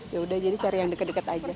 yaudah jadi cari yang deket deket aja